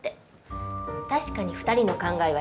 確かに２人の考えは違う。